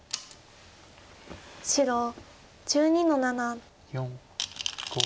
白１２の七。